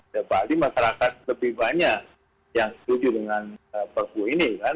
kecuali masyarakat lebih banyak yang setuju dengan perpu ini kan